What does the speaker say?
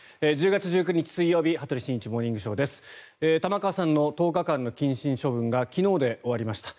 １０月１９日、水曜日「羽鳥慎一モーニングショー」。玉川さんの１０日間の謹慎処分が昨日で終わりました。